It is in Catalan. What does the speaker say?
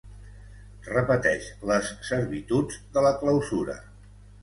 Repeteix les servituds de la clausura.